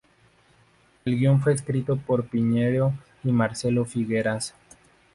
El guion fue escrito por Piñeyro y Marcelo Figueras.